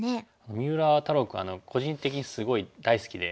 三浦太郎君は個人的にすごい大好きで。